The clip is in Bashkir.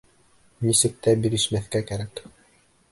Нисек тә бирешмәҫкә кәрәк.